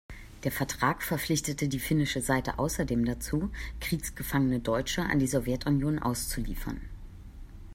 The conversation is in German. Der Vertrag verpflichtete die finnische Seite außerdem dazu, kriegsgefangene Deutsche an die Sowjetunion auszuliefern.